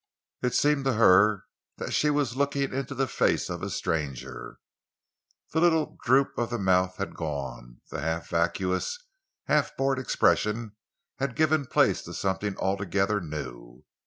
It seemed to her that she was looking into the face of a stranger. The little droop of the mouth had gone. The half vacuous, half bored expression had given place to something altogether new.